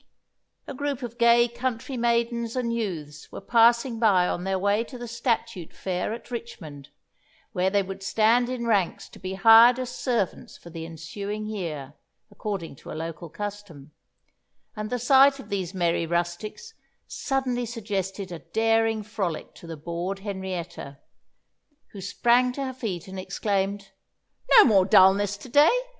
A group of gay country maidens and youths were passing by on their way to the statute fair at Richmond, where they would stand in ranks to be hired as servants for the ensuing year, according to a local custom; and the sight of these merry rustics suddenly suggested a daring frolic to the bored Henrietta, who sprang to her feet and exclaimed: "No more dulness to day!